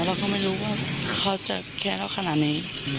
แล้วเขาไม่รู้ว่าเขาจะแค่เราขนาดนี้